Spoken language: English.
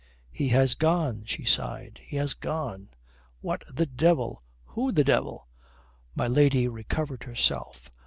"He has gone!" she sighed. "He has gone." "What the devil! Who the devil?" My lady recovered herself.